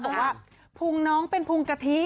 บอกว่าภูมิน้องเป็นภูมิกะทิ